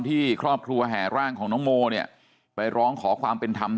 ที่ครอบครัวแห่ร่างของน้องโมเนี่ยไปร้องขอความเป็นธรรม